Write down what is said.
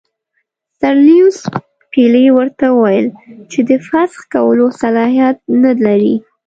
سر لیویس پیلي ورته وویل چې د فسخ کولو صلاحیت نه لري.